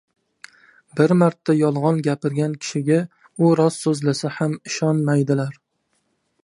• Bir marta yolg‘on gapirgan kishiga u rost so‘zlasa ham ishonmaydilar.